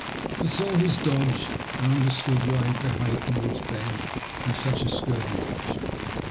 I saw his dodge, and understood why he had be haved towards Ben in such a scurvy fashion.